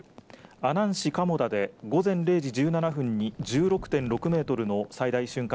阿南市蒲生田で午前０時１７分に１６．６メートルの最大瞬間